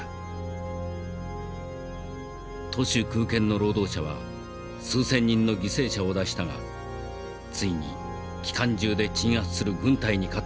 徒手空拳の労働者は数千人の犠牲者を出したがついに機関銃で鎮圧する軍隊に勝った。